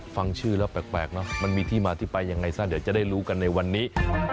ฟังชื่อแล้วแปลกเนอะมันมีที่มาที่ไปยังไงซะเดี๋ยวจะได้รู้กันในวันนี้